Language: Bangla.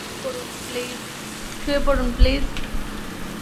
শুয়ে পড়ুন, প্লিজ।